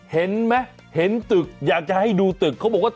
เห็นไหมเห็นตึกอยากจะให้ดูตึกเขาบอกว่า